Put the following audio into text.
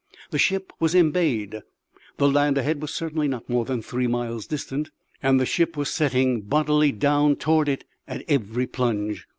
The ship was embayed! The land ahead was certainly not more than three miles distant, and the ship was setting bodily down toward it at every plunge.